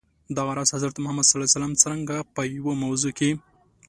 دغه راز، حضرت محمد ص څرنګه په یوه موضوع کي.